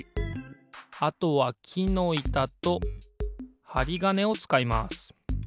あとはきのいたとはりがねをつかいます。